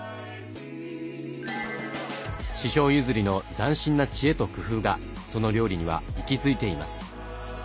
師匠譲りの斬新な知恵と工夫がその料理には息づいています。